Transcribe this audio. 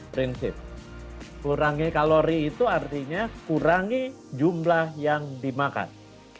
prinsip kurangi kalori itu artinya kurangi jumlah yang dimakan